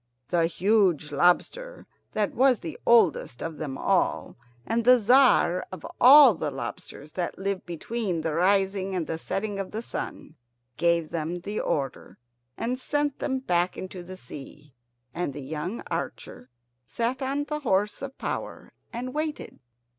And the huge lobster that was the oldest of them all and the Tzar of all the lobsters that live between the rising and the setting of the sun, gave them the order and sent them back into the sea. And the young archer sat on the horse of power and waited.